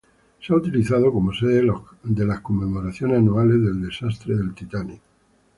Se ha utilizado como sede de las conmemoraciones anuales del desastre del "Titanic".